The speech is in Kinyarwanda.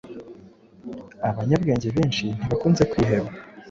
Abanyabwenge benshi ntibakunze kwiheba